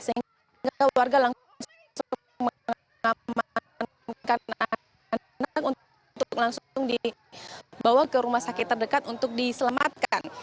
sehingga warga langsung mengamankan anak untuk langsung dibawa ke rumah sakit terdekat untuk diselamatkan